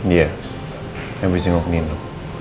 iya abis jenguk nino